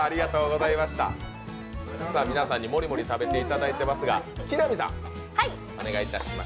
皆さんにモリモリ食べていただいていますが、木南さんお願いいたします。